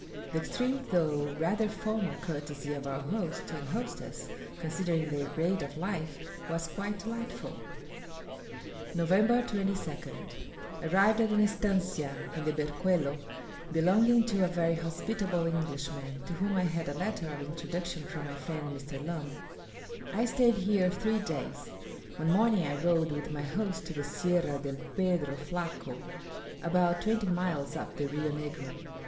The extreme though rather formal courtesy of our host and hostess, considering their grade of life, was quite delightful. November 22nd. Arrived at an estancia on the Berquelo belonging to a very hospitable Englishman, to whom I had a letter of introduction from my friend Mr. Lumb. I stayed here three days. One morning I rode with my host to the Sierra del Pedro Flaco, about twenty miles up the Rio Negro.